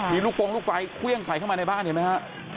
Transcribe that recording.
มีลูกฟงลูกไฟเครื่องใส่เข้ามาในบ้านเห็นไหมฮะ